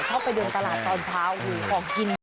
ชอบไปเดินตลาดตอนเช้าของกิน